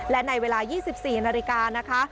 และในเวลา๒๔นาฬิกานะคะ